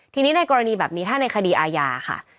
ทีนี้ในกรณีแบบนี้ถ้าในคดีอาญาค่ะ